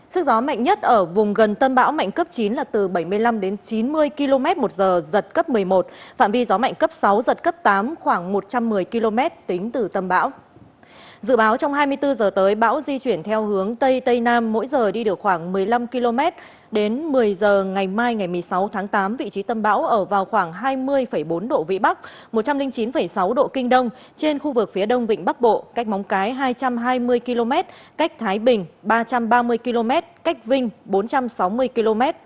sức gió mạnh nhất ở vùng gần tâm bão mạnh cấp chín là từ bảy mươi năm đến chín mươi km một giờ giật cấp một mươi một phạm vi gió mạnh cấp sáu giật cấp tám khoảng một trăm một mươi km tính từ tâm bão